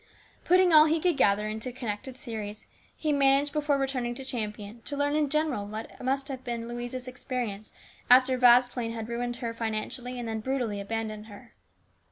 Putting all he could gather into a connected series, he managed, before returning to Champion, to learn in general what must have been Louise's experience after Vasplaine had ruined her financially and then brutally abandoned her.